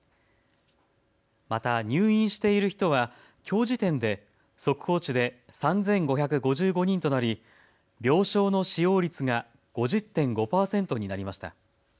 また入院している人はきょう時点で速報値で３５５５人となり病床の使用率が５０．５％になりました。